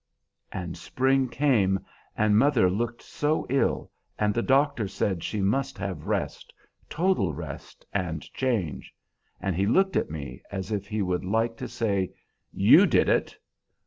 And spring came, and mother looked so ill, and the doctor said she must have rest, total rest and change; and he looked at me as if he would like to say, 'You did it!'